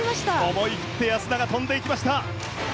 思い切って安永跳んでいきました。